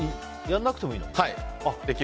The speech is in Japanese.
やらなくてもいいの？